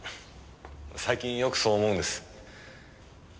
最近よくそう思うんです。